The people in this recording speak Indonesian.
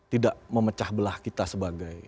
tidak memecah belah kita sebagai